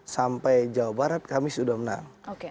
sampai jawa barat kami sudah menang